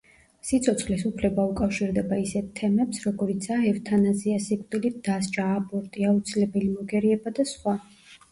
სიცოცხლის უფლება უკავშირდება ისეთ თემებს, როგორიცაა ევთანაზია, სიკვდილით დასჯა, აბორტი, აუცილებელი მოგერიება და სხვა.